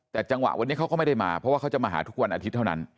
แต่จังหวะวันนี้เขาก็ไม่ได้มาเพราะว่าเขาจะมาหาทุกวันอาทิตย์เท่านั้น